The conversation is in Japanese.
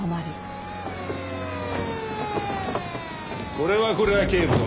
これはこれは警部殿。